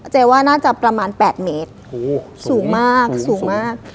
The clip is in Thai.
เจ๊ว่าน่าจะประมาณแปดเมตรโหสูงมากสูงมาก